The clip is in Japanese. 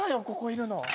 ここいるの。